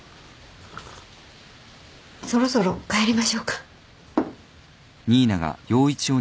そろそろ帰りましょうか。